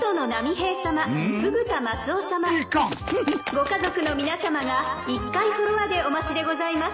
ご家族の皆さまが１階フロアでお待ちでございます。